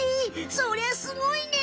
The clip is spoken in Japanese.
そりゃすごいね！